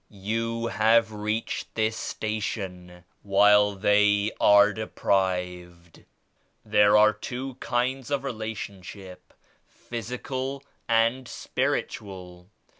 You have reached this station while they are deprived. There are two kinds of relationship — Physical and Spiritual.